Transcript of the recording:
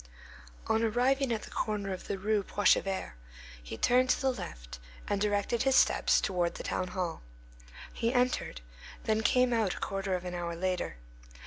On arriving at the corner of the Rue Poichevert, he turned to the left, and directed his steps toward the town hall. He entered, then came out a quarter of an hour later.